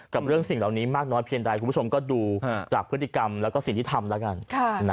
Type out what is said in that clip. กับเรื่องสิ่งเหล่านี้มากน้อยเพียงใดคุณผู้ชมก็ดูจากพฤติกรรมแล้วก็สิ่งที่ทำแล้วกัน